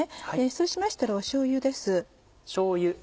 そうしましたらしょうゆです。